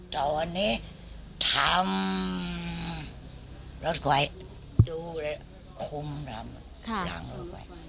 ตอนนี้ทำรถไขว้ดูแล้วคุ้มทำค่ะหลังรถไขว้